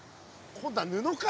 今度は布か！